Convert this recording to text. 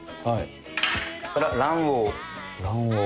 はい。